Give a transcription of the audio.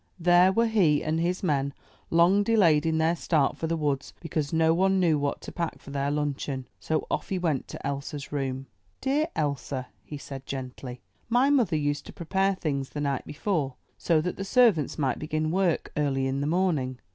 There were he and his men long delayed in their start for the woods because no one knew what to pack for their luncheon. So off he went to Elsa's room. 252 UP ONE PAIR OF STAIRS Dear Elsa," he said gently, *'my mother used to prepare things the night before, so that the servants might begin work early in the morning.